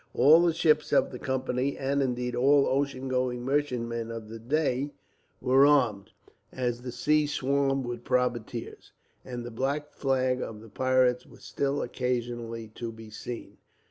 All the ships of the Company, and, indeed, all ocean going merchantmen of the day, were armed, as the sea swarmed with privateers, and the black flag of the pirates was still occasionally to be seen.